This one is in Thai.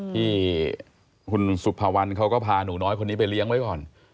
ที่คุณสุภาวันเขาก็พาหนูน้อยคนนี้ไปเลี้ยงไว้ก่อน